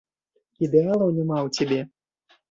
Ідэалаў няма ў цябе.